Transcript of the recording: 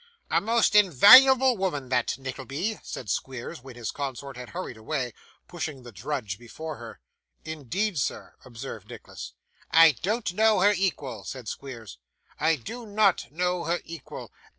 'A most invaluable woman, that, Nickleby,' said Squeers when his consort had hurried away, pushing the drudge before her. 'Indeed, sir!' observed Nicholas. 'I don't know her equal,' said Squeers; 'I do not know her equal.